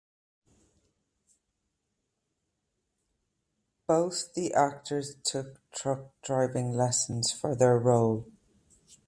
Both the actors took truck driving lessons for their role.